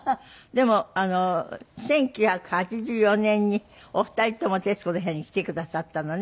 でも１９８４年にお二人とも『徹子の部屋』に来てくださったのね。